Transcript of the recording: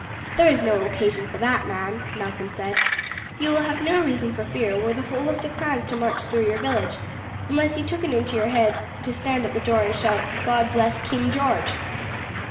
"There is no occasion for that, man," Malcolm said; "you will have no reason for fear were the whole of the clans to march through your village, unless you took it into your head to stand at the door and shout, 'God bless King George.'"